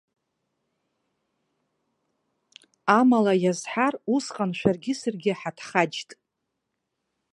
Амала иазҳар, усҟан шәаргьы саргьы ҳаҭхаџьт.